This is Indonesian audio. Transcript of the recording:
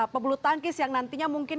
pebulu tangkis yang nantinya mungkin